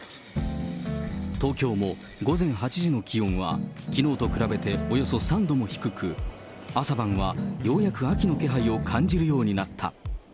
東京も午前８時の気温はきのうと比べておよそ３度も低く、朝晩はようやく秋の気配を感じるようになった。